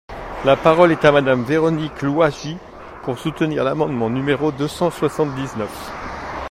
La parole est à Madame Véronique Louwagie, pour soutenir l’amendement numéro deux cent soixante-dix-neuf.